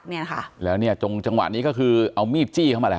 ค้ายแล้วตรงจังหวะนี้ก็คือเอามีดจี้เข้ามา